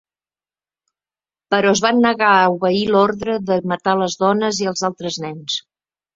Però es van negar a obeir l'ordre de matar les dones i els altres nens.